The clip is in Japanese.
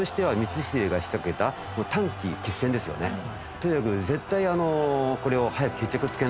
とにかく絶対これを。